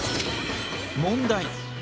問題。